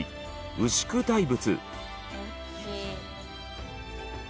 牛久大仏。